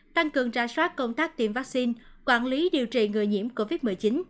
tăng cường ra soát công tác tiêm vaccine quản lý điều trị người nhiễm covid một mươi chín